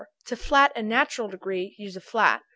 To flat a natural degree, use a flat.